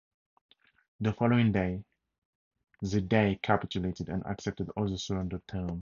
The following day the Dey capitulated and accepted all the surrender terms.